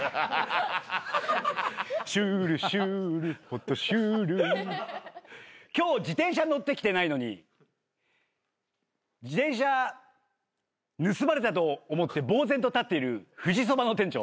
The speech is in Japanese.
「シュールシュールホトシュール」今日自転車乗ってきてないのに自転車盗まれたと思ってぼう然と立っている富士そばの店長。